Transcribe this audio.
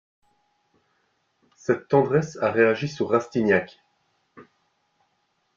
Cette tendresse a réagi sur Rastignac.